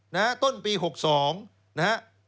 แต่ต้น๖๒อศบ